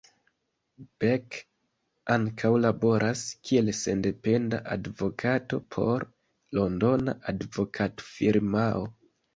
Beck ankaŭ laboras kiel sendependa advokato por Londona advokatfirmao.